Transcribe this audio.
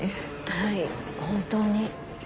はい本当に。